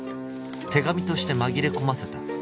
「手紙として紛れ込ませた」